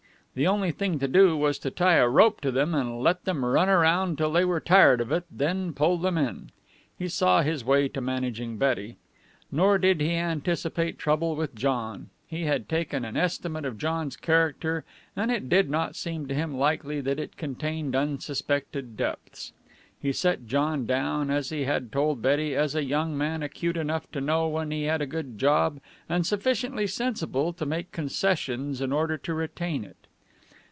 The only thing to do was to tie a rope to them and let them run around till they were tired of it, then pull them in. He saw his way to managing Betty. Nor did he anticipate trouble with John. He had taken an estimate of John's character, and it did not seem to him likely that it contained unsuspected depths. He set John down, as he had told Betty, as a young man acute enough to know when he had a good job and sufficiently sensible to make concessions in order to retain it.